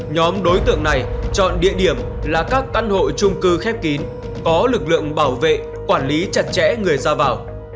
nhóm đối tượng này chọn địa điểm là các căn hộ trung cư khép kín có lực lượng bảo vệ quản lý chặt chẽ người ra vào